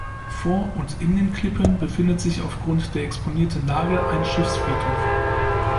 Vor und in den Klippen befindet sich aufgrund der exponierten Lage ein Schiffsfriedhof.